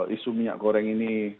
isu minyak goreng ini